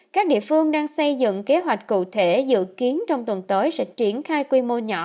các địa phương đang xây dựng kế hoạch cụ thể dự kiến trong tuần tới sẽ triển khai quy mô nhỏ